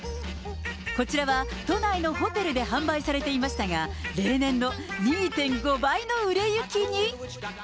こちらは都内のホテルで販売されていましたが、例年の２．５倍の売れ行きに。